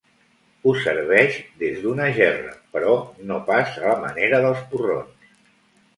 Ho serveix des d'una gerra, però no pas a la manera dels porrons.